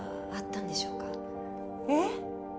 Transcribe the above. えっ？